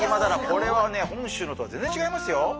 これはね本州のとは全然違いますよ！